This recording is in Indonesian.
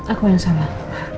aku yang salah